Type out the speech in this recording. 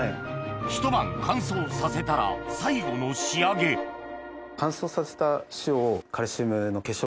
ひと晩乾燥させたら最後の仕上げ乾燥させた塩を。